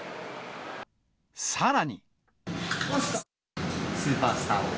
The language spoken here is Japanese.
さらに。